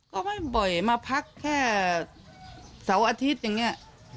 ก็ไม่บ่อยมาพักแค่เสาร์อาทิตย์อย่างนี้